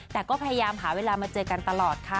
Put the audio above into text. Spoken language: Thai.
แต่ก็พยายามหาเวลามาเจอกันตลอดค่ะ